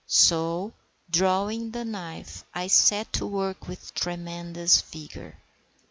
So drawing the knife, I set to work with tremendous vigour.